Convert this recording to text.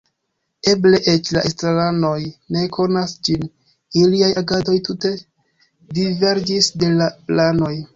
Eble eĉ la estraranoj ne konas ĝin iliaj agadoj tute diverĝis de la planoj.